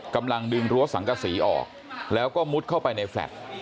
กำลังดึงรั้วสังกษีออกแล้วก็มุดเข้าไปในแฟลต์